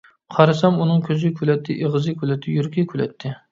قارىسام ئۇنىڭ كۆزى كۈلەتتى، ئېغىزى كۈلەتتى، يۈرىكى كۈلەتتى.